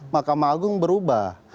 makamah agung berubah